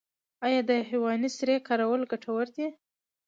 آیا د حیواني سرې کارول ګټور دي؟